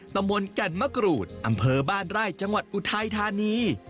ตำบลแก่นมะกรูดอำเภอบ้านไร่จังหวัดอุทัยธานี